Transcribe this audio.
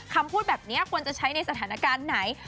คำพูดแบบนี้ควรจะใช้ในสถานการณ์ไหน